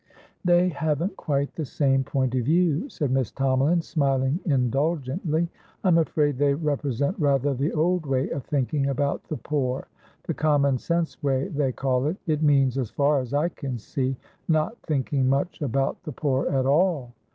"They haven't quite the same point of view," said Miss Tomalin, smiling indulgently. "I'm afraid they represent rather the old way of thinking about the poorthe common sense way, they call it; it means, as far as I can see, not thinking much about the poor at all.